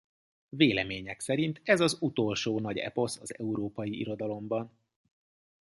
Vélemények szerint ez az utolsó nagy eposz az európai irodalomban.